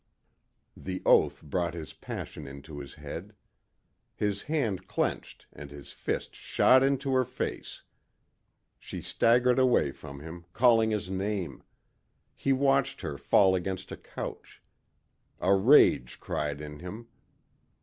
The oath brought his passion into his head. His hand clenched and his fist shot into her face. She staggered away from him, calling his name. He watched her fall against a couch. A rage cried in him.